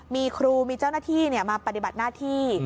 มีครูมีเจ้าหน้าที่มาปฏิบัติหน้าที่